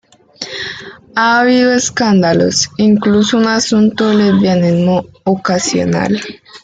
Ha habido escándalos- incluso un asunto de lesbianismo ocasional.